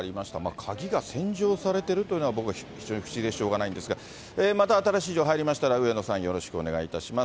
鍵が施錠されているというのが、僕は非常に不思議でしょうがないんですが、また新しい情報が入りましたら、上野さん、よろしくお願いします。